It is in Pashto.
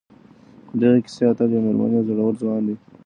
د دغې کیسې اتل یو مېړنی او زړور ځوان دی.